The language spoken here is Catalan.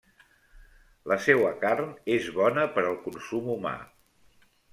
La seua carn és bona per al consum humà.